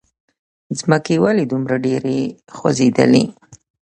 ځمکې! ولې دومره ډېره خوځېدلې؟